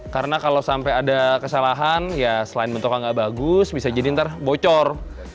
karena kalau sampai ada kesalahan ya selain bentuknya nggak bagus bisa jadi ntar bocor